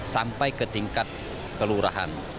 sampai ke tingkat kelurahan